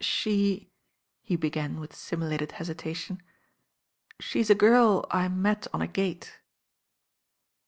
"She " he began with simulated hesitation, "ahe's a girl I met on a gate."